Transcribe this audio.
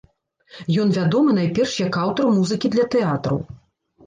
Ён вядомы найперш як аўтар музыкі для тэатру.